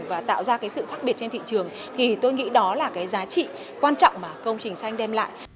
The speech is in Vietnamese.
và tạo ra cái sự khác biệt trên thị trường thì tôi nghĩ đó là cái giá trị quan trọng mà công trình xanh đem lại